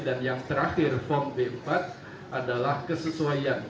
dan yang terakhir form b empat adalah kesesuaian